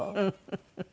フフフフ。